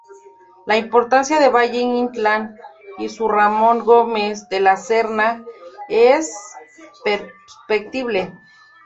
La impronta de Valle-Inclán y de Ramón Gómez de la Serna es perceptible.